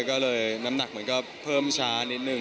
ก็เลยน้ำหนักมันก็เพิ่มช้านิดนึง